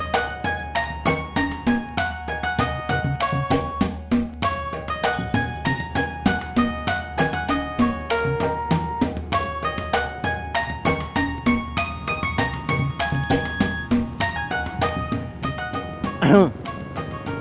boleh ikut duduk